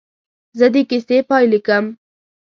زه د کیسې پاې لیکم.